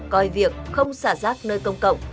coi việc không xả rác nơi công cộng